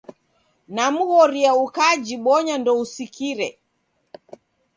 Namghoria ukajibonya ndousikire.